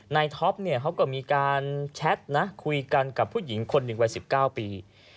ในท็อปเขาก็มีการแชทคุยกันกับผู้หญิงคน๑วัย๑๙ปี